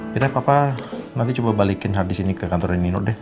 yaudah papa nanti coba balikin hardisk ini ke kantor nino deh